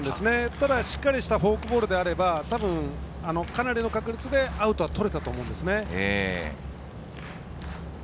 ただしっかりしたフォークボールであればかなりの確率でアウトがとれたと思うんですね。